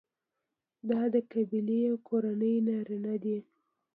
دا د قبیلې او کورنۍ نارینه دي.